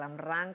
nah ber bagai